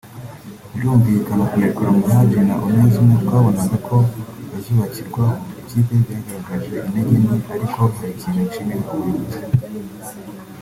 Birumvikana kurekura Muhadjili na Onesme twabonaga ko bazubakirwaho ikipe byagaragaje intege nke ariko hari ikintu nshimira ubuyobozi